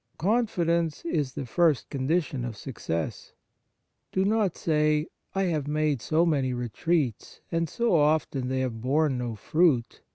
Confidence is the first condition of success. Do not say : "I have made so many retreats, and so often they have borne no fruit